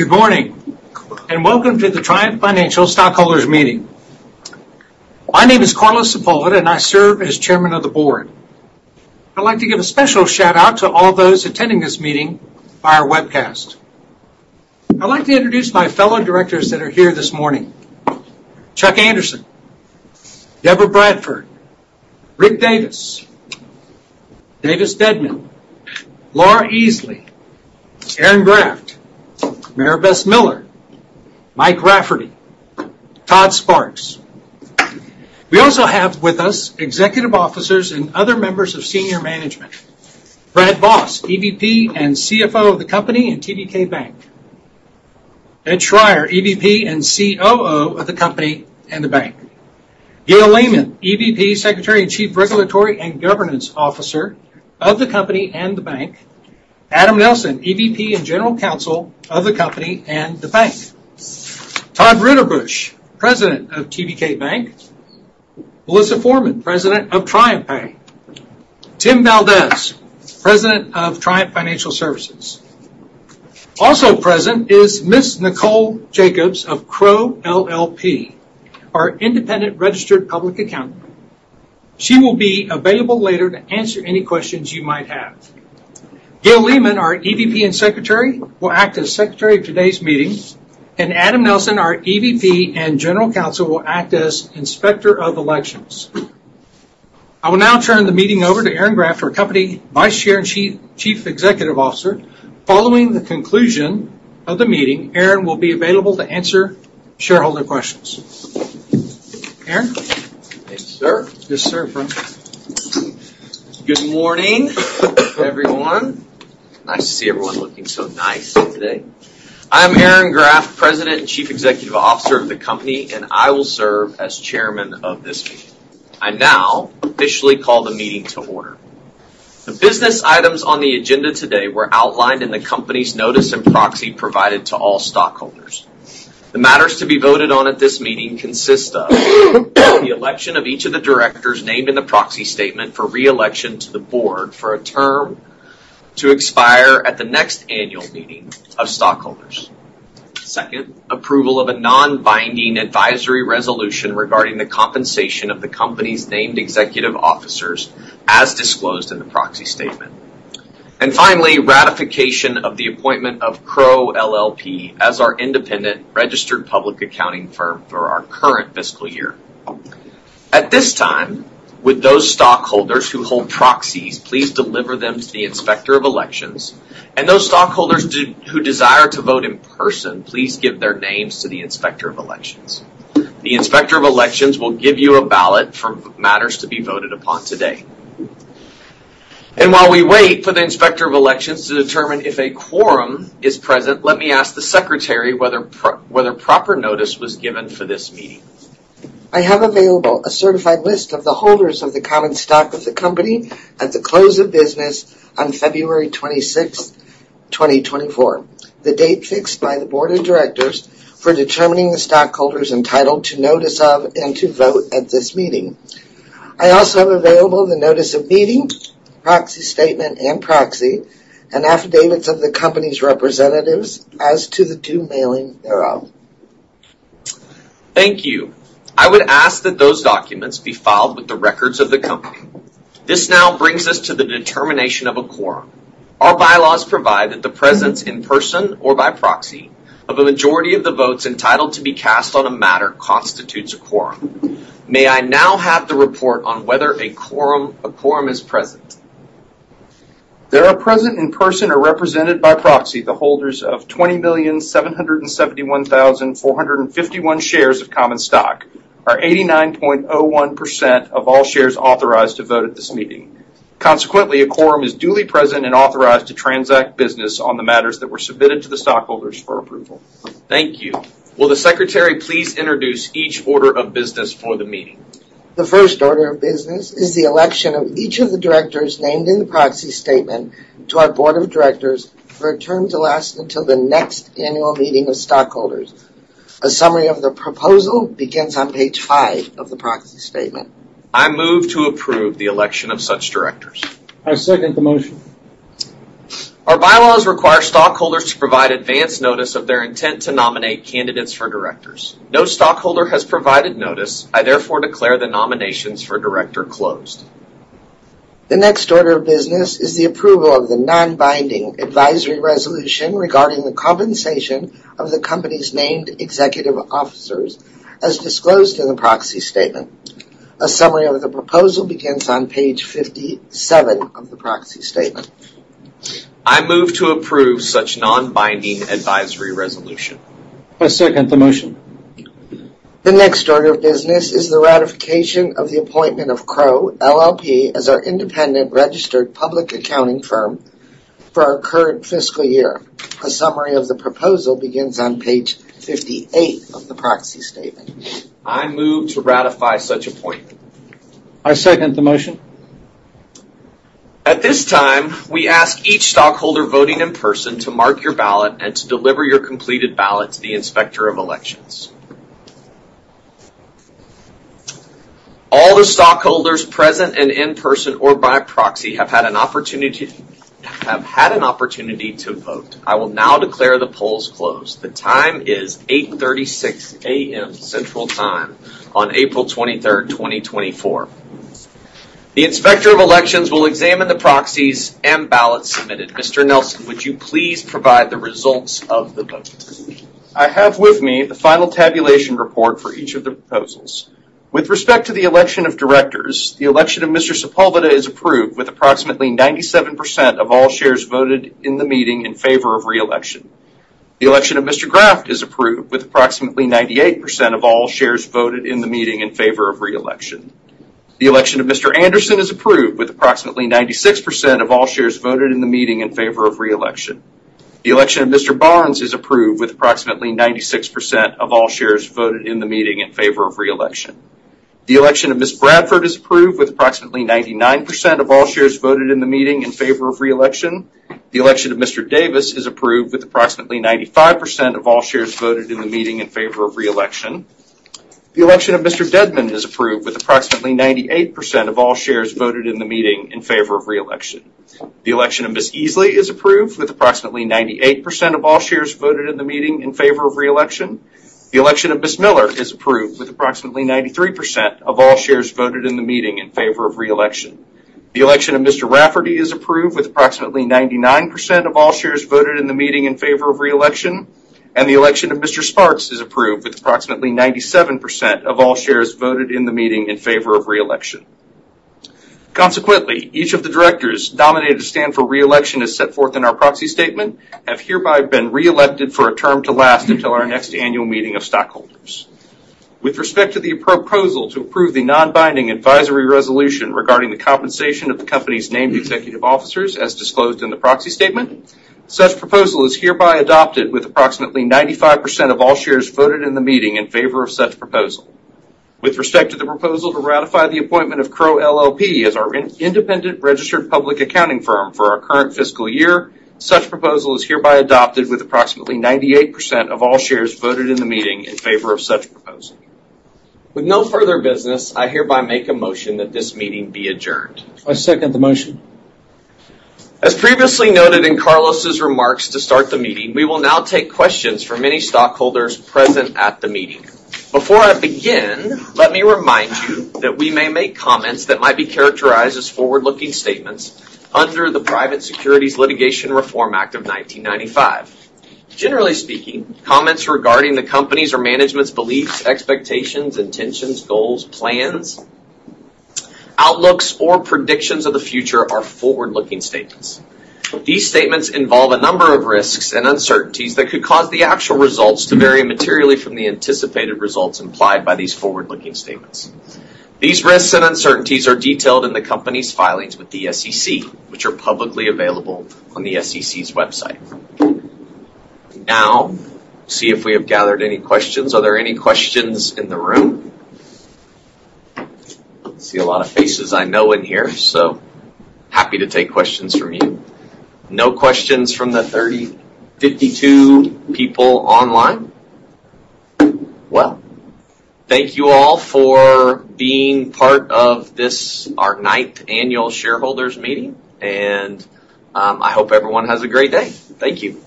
Good morning and welcome to the Triumph Financial Stockholders' Meeting. My name is Carlos Sepulveda, and I serve as Chairman of the Board. I'd like to give a special shout-out to all those attending this meeting via webcast. I'd like to introduce my fellow directors that are here this morning: Chuck Anderson, Debra Bradford, Rick Davis, Davis Deadman, Laura Easley, Aaron Graft, Maribess Miller, Mike Rafferty, Todd Sparks. We also have with us executive officers and other members of senior management: Brad Voss, EVP and CFO of the company and TBK Bank; Ed Schreyer, EVP and COO of the company and the bank; Gail Lehmann, EVP, Secretary and Chief Regulatory and Governance Officer of the company and the bank; Adam Nelson, EVP and General Counsel of the company and the bank; Todd Ritterbusch, President of TBK Bank; Melissa Forman, President of TriumphPay; Tim Valdez, President of Triumph Financial Services. Also present is Ms. Nicole Jacobs of Crowe LLP, our independent registered public accountant. She will be available later to answer any questions you might have. Gail Lehmann, our EVP and Secretary, will act as Secretary of today's meeting, and Adam Nelson, our EVP and General Counsel, will act as Inspector of Elections. I will now turn the meeting over to Aaron Graft, our company Vice Chair and Chief Executive Officer. Following the conclusion of the meeting, Aaron will be available to answer shareholder questions. Aaron? Yes, sir. Yes, sir, from. Good morning, everyone. Nice to see everyone looking so nice today. I am Aaron Graft, President and Chief Executive Officer of the company, and I will serve as chairman of this meeting. I now officially call the meeting to order. The business items on the agenda today were outlined in the company's notice and proxy provided to all stockholders. The matters to be voted on at this meeting consist of the election of each of the directors named in the proxy statement for reelection to the board for a term to expire at the next annual meeting of stockholders. Second, approval of a non-binding advisory resolution regarding the compensation of the company's named executive officers as disclosed in the proxy statement. And finally, ratification of the appointment of Crowe LLP as our independent registered public accounting firm for our current fiscal year.At this time, would those stockholders who hold proxies please deliver them to the Inspector of Elections? Those stockholders who desire to vote in person, please give their names to the Inspector of Elections. The Inspector of Elections will give you a ballot for matters to be voted upon today. While we wait for the Inspector of Elections to determine if a quorum is present, let me ask the Secretary whether proper notice was given for this meeting. I have available a certified list of the holders of the common stock of the company at the close of business on February 26th, 2024, the date fixed by the Board of Directors for determining the stockholders entitled to notice of and to vote at this meeting. I also have available the notice of meeting, proxy statement, and proxy, and affidavits of the company's representatives as to the due mailing thereof. Thank you. I would ask that those documents be filed with the records of the company. This now brings us to the determination of a quorum. Our bylaws provide that the presence in person or by proxy of a majority of the votes entitled to be cast on a matter constitutes a quorum. May I now have the report on whether a quorum is present? There are present in person or represented by proxy the holders of 20,771,451 shares of Common Stock, or 89.01% of all shares authorized to vote at this meeting. Consequently, a quorum is duly present and authorized to transact business on the matters that were submitted to the stockholders for approval. Thank you. Will the Secretary please introduce each order of business for the meeting? The first order of business is the election of each of the directors named in the proxy statement to our Board of Directors for a term to last until the next annual meeting of stockholders. A summary of the proposal begins on page five of the proxy statement. I move to approve the election of such directors. I second the motion. Our bylaws require stockholders to provide advance notice of their intent to nominate candidates for directors. No stockholder has provided notice. I therefore declare the nominations for director closed. The next order of business is the approval of the non-binding advisory resolution regarding the compensation of the company's named executive officers as disclosed in the proxy statement. A summary of the proposal begins on page 57 of the proxy statement. I move to approve such non-binding advisory resolution. I second the motion. The next order of business is the ratification of the appointment of Crowe LLP as our independent registered public accounting firm for our current fiscal year. A summary of the proposal begins on page 58 of the proxy statement. I move to ratify such appointment. I second the motion. At this time, we ask each stockholder voting in person to mark your ballot and to deliver your completed ballot to the Inspector of Elections. All the stockholders present and in person or by proxy have had an opportunity to vote. I will now declare the polls closed. The time is 8:36 A.M. Central Time on April 23rd, 2024. The Inspector of Elections will examine the proxies and ballots submitted. Mr. Nelson, would you please provide the results of the vote? I have with me the final tabulation report for each of the proposals. With respect to the election of directors, the election of Mr. Sepulveda is approved with approximately 97% of all shares voted in the meeting in favor of reelection. The election of Mr. Graft is approved with approximately 98% of all shares voted in the meeting in favor of reelection. The election of Mr. Anderson is approved with approximately 96% of all shares voted in the meeting in favor of reelection. The election of Mr. Barnes is approved with approximately 96% of all shares voted in the meeting in favor of reelection. The election of Ms. Bradford is approved with approximately 99% of all shares voted in the meeting in favor of reelection. The election of Mr. Davis is approved with approximately 95% of all shares voted in the meeting in favor of reelection. The election of Mr. Deadman is approved with approximately 98% of all shares voted in the meeting in favor of reelection. The election of Ms. Easley is approved with approximately 98% of all shares voted in the meeting in favor of reelection. The election of Ms. Miller is approved with approximately 93% of all shares voted in the meeting in favor of reelection. The election of Mr. Rafferty is approved with approximately 99% of all shares voted in the meeting in favor of reelection, and the election of Mr. Sparks is approved with approximately 97% of all shares voted in the meeting in favor of reelection. Consequently, each of the directors nominated to stand for reelection as set forth in our proxy statement have hereby been reelected for a term to last until our next annual meeting of stockholders. With respect to the proposal to approve the non-binding advisory resolution regarding the compensation of the company's named executive officers as disclosed in the proxy statement, such proposal is hereby adopted with approximately 95% of all shares voted in the meeting in favor of such proposal. With respect to the proposal to ratify the appointment of Crowe LLP as our independent registered public accounting firm for our current fiscal year, such proposal is hereby adopted with approximately 98% of all shares voted in the meeting in favor of such proposal. With no further business, I hereby make a motion that this meeting be adjourned. I second the motion. As previously noted in Carlos's remarks to start the meeting, we will now take questions from any stockholders present at the meeting. Before I begin, let me remind you that we may make comments that might be characterized as forward-looking statements under the Private Securities Litigation Reform Act of 1995. Generally speaking, comments regarding the company's or management's beliefs, expectations, intentions, goals, plans, outlooks, or predictions of the future are forward-looking statements. These statements involve a number of risks and uncertainties that could cause the actual results to vary materially from the anticipated results implied by these forward-looking statements. These risks and uncertainties are detailed in the company's filings with the SEC, which are publicly available on the SEC's website. Now, see if we have gathered any questions. Are there any questions in the room? I see a lot of faces I know in here, so happy to take questions from you. No questions from the 352 people online? Well, thank you all for being part of this our ninth annual shareholders' meeting, and I hope everyone has a great day. Thank you.